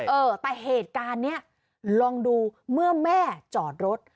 เออแต่เหตุการณ์นี้ลองดูเมื่อแม่จอดรถ